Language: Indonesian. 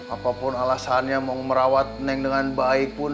apapun alasannya mau merawat neng dengan baik pun